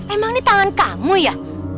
emang ini tangan kamu ya